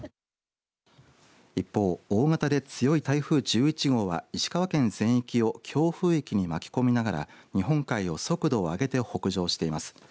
一方、大型で強い台風１１号は石川県全域を強風域に巻き込みながら日本海を速度を上げて北上しています。